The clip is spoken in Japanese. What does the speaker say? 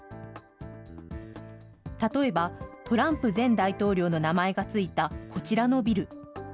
例えば、トランプ前大統領の名前が付いたこちらのビル。